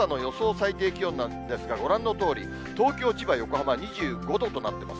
最低気温なんですが、ご覧のとおり、東京、千葉、横浜２５度となってます。